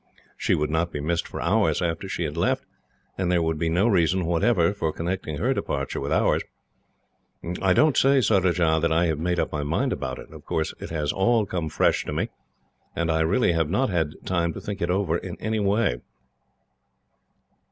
She would not be missed for hours after she had left, and there would be no reason, whatever, for connecting her departure with ours. I don't say, Surajah, that I have made up my mind about it of course it has all come fresh to me, and I have not had time to think it over in any way.